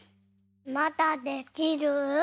まだできる？